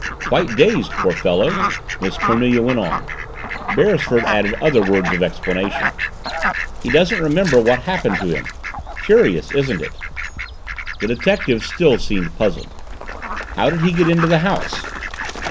"Quite dazed, poor fellow," Miss Cornelia went on. Beresford added other words of explanation. "He doesn't remember what happened to him. Curious, isn't it?" The detective still seemed puzzled. "How did he get into the house?"